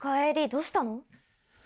どうしたの？